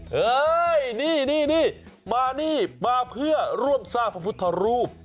เฮ้ยนี่มานี่มาเพื่อร่วมสร้างพระพุทธรูป